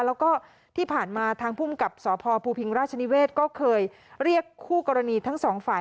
แล้วก็ที่ผ่านมาทางภูมิกับสพภูพิงราชนิเวศก็เคยเรียกคู่กรณีทั้งสองฝ่าย